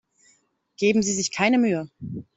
Geben Sie sich keine Mühe.